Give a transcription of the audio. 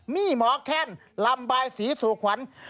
มี่หมอแคนลำบายศรีสู่ขวัญ